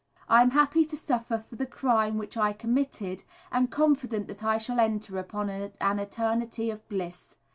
I am happy to suffer for the crime which I committed, and confident that I shall enter upon an eternity of bliss.